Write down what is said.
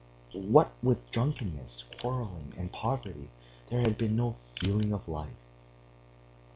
What with drunkenness, quarreling, and poverty, there had been no feeling of life.